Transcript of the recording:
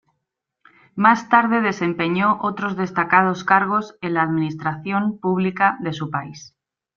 Más tarde desempeñó otros destacados cargos en la administración pública de su país.